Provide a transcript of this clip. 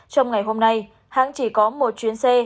trong ngày hôm nay hãng chỉ có một chuyến xe